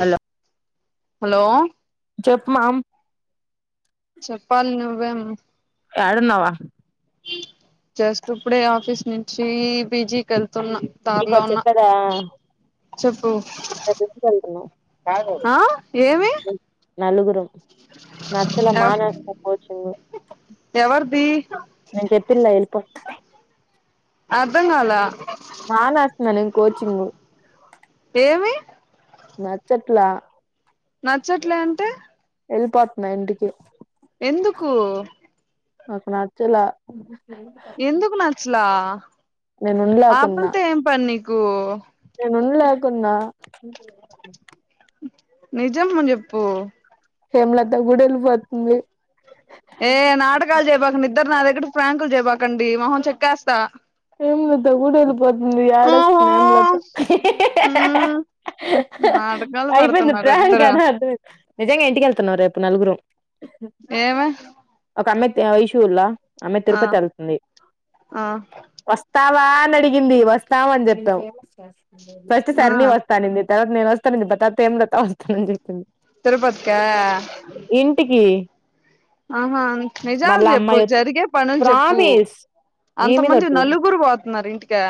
Hello hello చెప్ మామ్. చెప్పాలి నువ్వేమ్. యాడున్నవా? జస్ట్ ఇప్పుడే ఆఫీస్ నుంచి పీజీకి ఎళ్తున్నా. దార్లో నీకోటి ఉన్న చెప్పదా చెప్పు రేపు [unintelligible] ఎళ్తున్నావు. ఆ ఏమి? నలుగురం నచ్చలే మానేస్తా కోచింగ్. ఎవరిది నేను చెప్పింలే ఎళ్ళిపో. అర్ధంకాల మానేస్తున్నలే కోచింగ్. ఏమి? నచ్చట్లా. నచ్చట్లే అంటే? ఎళ్ళిపోతున్నా ఇంటికి. ఎందుకు? నాకు నచ్చలా. స్లా నేను ఆ ఉండలేకున్నా పిల్తో ఏం పని నీకు. నేను ఉండలేకున్నా. నిజం చెప్పు? హేమలత కూడా ఎళ్ళిపోతుంది. ఏ నాటకాలు చేయమాకండి, ఇద్దరు నా దగ్గర ఫ్రాంకులు చేయమాకండి మొహం చెక్కేస్తా. హేమలత కూడ ఎళ్ళిపోతుంది, ఓహో ఏడస్తుంది హేమలత. మ్మ్ నాటకాలు అయిపోయింది పడుతున్నారు ప్రాంక్ ఇద్దరు అని అర్ధం అయి నిజంగా ఇంటికెళ్తున్నాం రేపు నలుగురం. ఏమి? ఒక అమ్మాయి తే ఐషుల్లా ఆ అమ్మాయి ఆ తిరుపతి ఎళ్తుంది. ఆ వస్తావా అని అడిగింది వస్తాం అని చెప్పాం, ఫస్ట్ ఆ సర్ని వస్తా అనింది. తర్వాత నేను వస్తానని చెప్పా, తర్వాత హేమలత వస్తానని చెప్పింది. తిరుపతికా ఇంటికి ఆహా నిజాలు మళ్ళా చెప్పు, అమ్మాయి వచ్చి జరిగే పనులు చెప్పు ప్రామిస్ నీ మీద అంతమంది ఒట్టు నలుగురు పోతున్నార ఇంటికా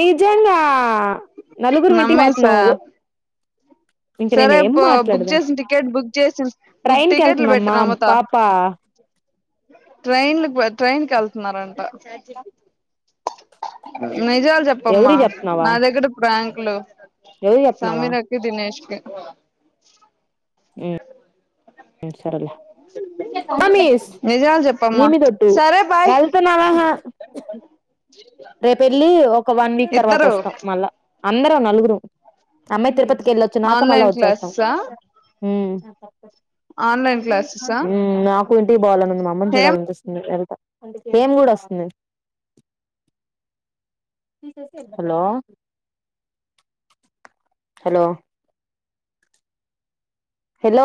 నిజంగా నలుగురు వింటికి నమ్మేసా పోతున్నావ్ సరే బ బుక్ మాట్లాడదాం చేసిన టికెట్ బుక్ చేసిన బుక్ ట్రైన్ కి టికెట్లు వెళ్తుందమ్మా పెట్టరా మోత పాప ట్రైన్లు ట్రైన్కి వెళ్తున్నారంట నిజాలు చెప్పమ్మా ఎవరికి చెప్తున్నావా నా దగ్గర ప్ర్రాంకులు ఎవరికి చెప్తున్నావా సమీరాకి దినేష్కి సరేలే మమ్మీస్ నిజాలు నీ చెప్పమ్మా మీద ఒట్టు సరే బాయ్ [unintelligible] రేపెళ్ళి ఒక వన్ వీక్ తర్వాత ఇద్దరు వస్తాం మళ్ళా అందరం నలుగురుమ్ అమ్మాయి తిరుపతికి ఎళ్ళొచ్ చ్చినాక మళ ఆన్లైన్ వచ్చేస్తామ్ క్లాసెసా ఊమ్ ఆన్లైన్ క్లాసెసా ఊమ్ నాక్ కుంటికి బోవాలని ఉంది మా అమ్మని ఏం చూడాలనిపిస్తుంది ఎల్త హేమ్ గూడా వస్తుంది హలో హలో హలో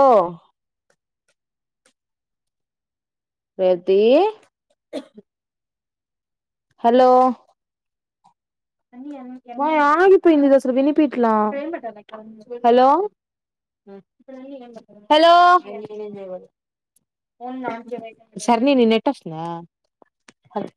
వేతీ హలో వాయ్ ఆగిపోయిందిదసలు వినిపిట్లా హలో హలో సర్ని నీ నెట్ వస్తుందా హల్